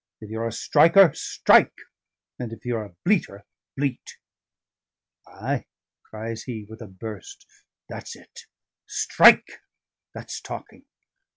If you're a striker, strike, and if you're a bleater, bleat!" "Ay!" cries he, with a burst, "that's it strike! that's talking!